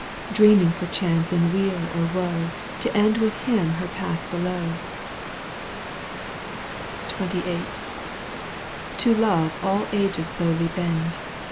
Dreaming perchance in weal or woe To end with him her path below. XXVIII. To Love all ages lowly bend.